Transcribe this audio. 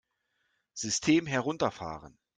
System herunterfahren!